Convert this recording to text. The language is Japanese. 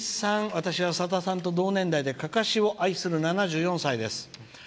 「私はさださんと同年代で「案山子」を愛する７４歳です。